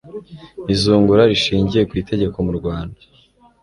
izungura rishingiye ku itegeko mu rwanda